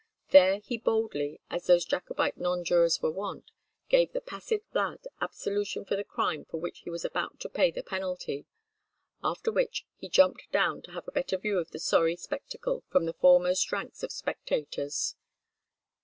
There he boldly, as those Jacobite nonjurors were wont, gave the passive lad absolution for the crime for which he was about to pay the penalty; after which he jumped down to have a better view of the sorry spectacle from the foremost ranks of spectators."